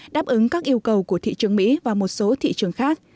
đáp ứng các yêu cầu của thị trường mỹ và một số thị trường khác